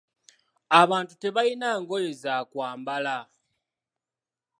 Abantu tebalina ngoye za kwambala.